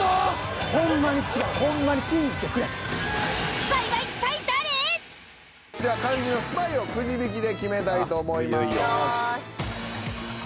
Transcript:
スパイは一体誰？では肝心のスパイをくじ引きで決めたいと思います。